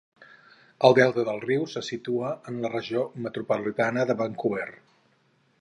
El delta del riu se situa en la regió metropolitana de Vancouver.